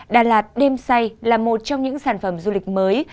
đà lạt đêm say là một trong những sản phẩm du lịch mới